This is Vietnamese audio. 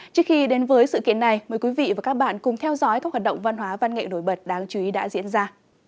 trước khi đến với sự kiện này mời quý vị và các bạn cùng theo dõi các hoạt động văn hóa văn nghệ nổi bật đáng chú ý đã diễn ra